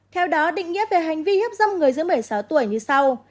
theo đó định nghĩa về hành vi hiếp dâm người dưới một mươi sáu tuổi như sau